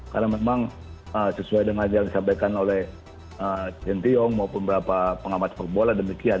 karena memang sesuai dengan yang disampaikan oleh sintayong maupun beberapa pengamat sepak bola dan demikian